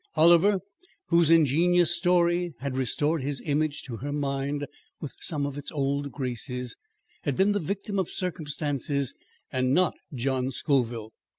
Oliver whose ingenuous story had restored his image to her mind, with some of its old graces had been the victim of circumstances and not John Scoville.